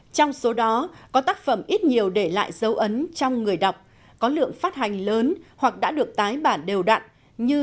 trong số đó có tác phẩm ít nhiều để lại dấu ấn trong người đọc có lượng phát hành lớn hoặc đã được tái bản đều đặn như